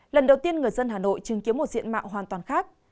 lần đầu tiên người dân hà nội chứng kiến một diện mạo hoàn toàn khác